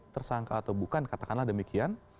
tersangka atau bukan katakanlah demikian